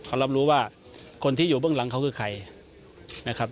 เขารับรู้ว่าคนที่อยู่เบื้องหลังเขาคือใครนะครับ